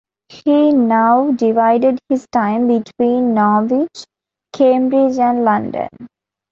He now divided his time between Norwich, Cambridge and London.